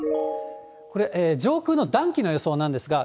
これ、上空の暖気の予想なんですが。